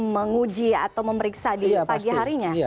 menguji atau memeriksa di pagi harinya